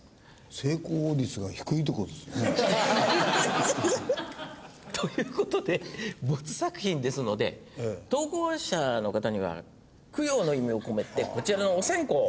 成功率が低いって事ですよね？という事でボツ作品ですので投稿者の方には供養の意味を込めてこちらのお線香を。